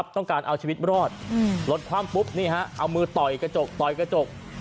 ต้องการเอาชีวิตรอดรถความปุ๊บนี่เอามือต่อกระจก